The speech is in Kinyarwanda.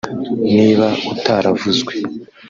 Niba utaravuzwe